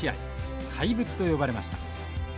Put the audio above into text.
怪物と呼ばれました。